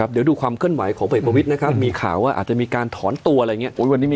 เดี๋ยวดูความเคลื่อนไหวของผลเอกประวิทย์นะครับมีข่าวว่าอาจจะมีการถอนตัวอะไรอย่างนี้